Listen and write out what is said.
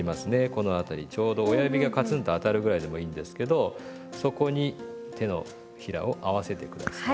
この辺りちょうど親指がカツンと当たるぐらいでもいいんですけどそこに手のひらを合わせて下さい。